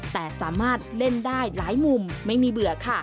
แต่สามารถเล่นได้หลายมุมไม่มีเบื่อค่ะ